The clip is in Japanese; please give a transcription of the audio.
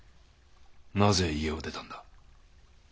なぜ家を出たんだ？